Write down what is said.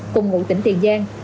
cùng ngụ tỉnh tiền giang